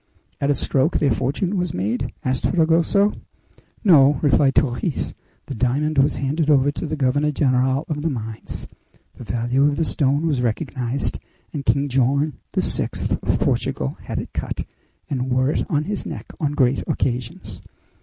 "At a stroke their fortune was made?" asked Fragoso. "No," replied Torres; "the diamond was handed over to the governor general of the mines. The value of the stone was recognized, and King John VI., of Portugal, had it cut, and wore it on his neck on great occasions.